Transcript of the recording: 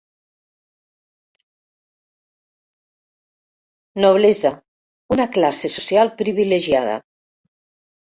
Noblesa: una classe social privilegiada.